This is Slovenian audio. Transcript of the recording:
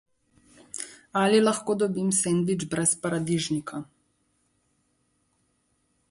Ali lahko dobim sendvič brez paradižnika?